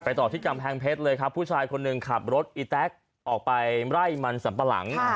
ต่อที่กำแพงเพชรเลยครับผู้ชายคนหนึ่งขับรถอีแต๊กออกไปไล่มันสัมปะหลัง